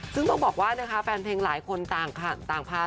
ซึ่งต้องบอกว่านะคะแฟนเพลงหลายคนต่างพา